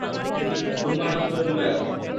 দুম্বার নাম ছিল জুরায়র।